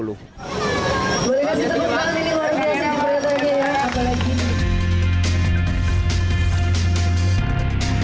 boleh kasih tepuk tangan di luar desa pak